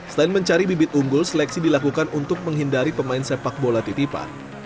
selain mencari bibit unggul seleksi dilakukan untuk menghindari pemain sepak bola titipan